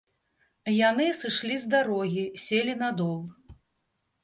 Яны сышлі з дарогі, селі на дол.